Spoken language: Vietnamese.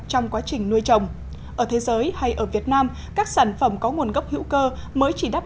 trong quá trình nuôi trồng ở thế giới hay ở việt nam các sản phẩm có nguồn gốc hữu cơ mới chỉ đáp